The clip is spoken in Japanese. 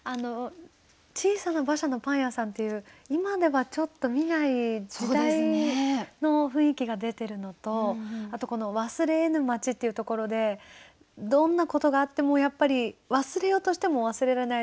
「小さな馬車のパン屋さん」っていう今ではちょっと見ない時代の雰囲気が出てるのとあとこの「忘れえぬ街」っていうところでどんなことがあってもやっぱり忘れようとしても忘れられない